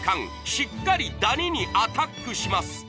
しっかりダニにアタックします